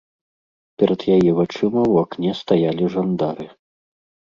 Перад яе вачыма ў акне стаялі жандары.